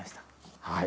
はい。